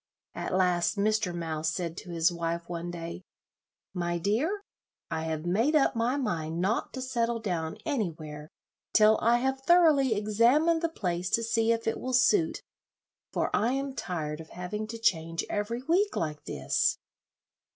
At last Mr. Mouse said to his wife one day, "My dear, I have made up my mind not to settle down anywhere till I have thoroughly examined the place to see if it will suit, for I am tired of having to change every week like this."